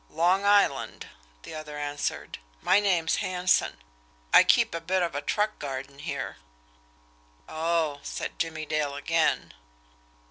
"Long Island," the other answered. "My name's Hanson. I keep a bit of a truck garden here." "Oh," said Jimmie Dale again.